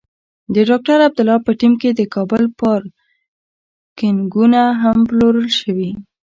د ډاکټر عبدالله په ټیم کې د کابل پارکېنګونه هم پلورل شوي.